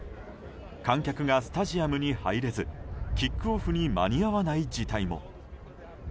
観客がスタジアムに入れずキックオフに間に合わない事態も。